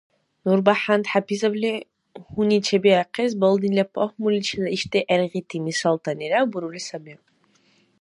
НурбяхӀянд ХӀяпизовла гьуни чебиахъес балнила пагьмуличила ишди гӀергъити мисалтанира бурули саби.